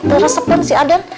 teresepin si aden